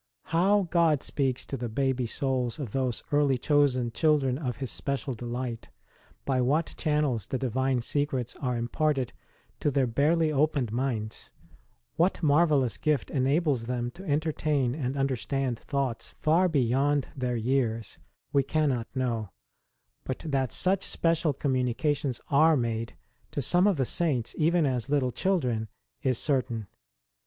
Plow God speaks to the baby souls of those early chosen children of His special delight; by what channels the Divine secrets are imparted to their barely opened minds ; what marvellous gift enables them to entertain and understand thoughts far beyond their years we cannot know; but that such special communica tions are made to some of the Saints even as little children is certain.